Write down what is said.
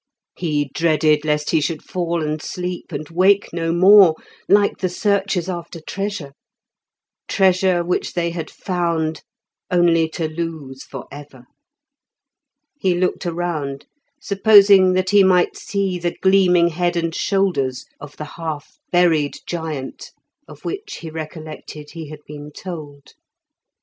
He dreaded lest he should fall and sleep, and wake no more, like the searchers after treasure; treasure which they had found only to lose for ever. He looked around, supposing that he might see the gleaming head and shoulders of the half buried giant, of which he recollected he had been told.